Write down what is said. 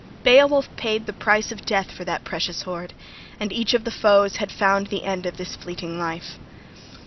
Beowulf paid the price of death for that precious hoard; and each of the foes had found the end of this fleeting life.